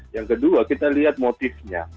yang kedua kita lihat motifnya